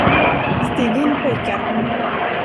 Stig in, pojkar!